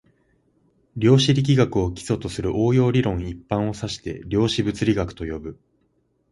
量子力学を基礎とする応用理論一般を指して量子物理学と呼ぶ